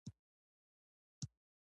پوهه د عقل رڼا ده.